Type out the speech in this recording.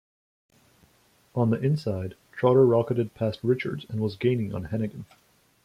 On the inside, Trotter rocketed past Richards and was gaining on Hennagan.